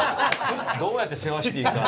どうやって世話していいか。